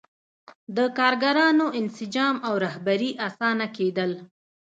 د کارګرانو انسجام او رهبري اسانه کېدل.